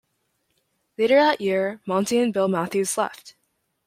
Later that year, Monty and Bill Matthews left.